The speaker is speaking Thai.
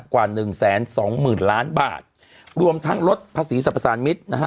กว่า๑๒๐๐๐๐ล้านบาทรวมทั้งลดภาษีสรรพสารมิตรนะฮะ